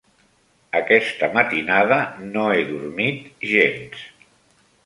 Aquesta matinada no he dormit gens.